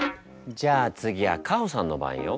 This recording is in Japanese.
じゃあ次はカホさんの番よ。